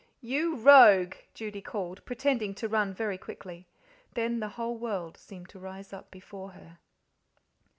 "You rogue!" Judy called, pretending to run very quickly. Then the whole world seemed to rise up before her.